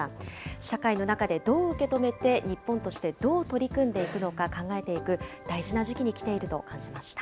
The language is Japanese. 社会の中でどう受け止めて、日本としてどう取り組んでいくのか考えていく大事な時期に来ていると感じました。